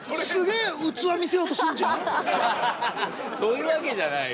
ハハそういうわけじゃないよ。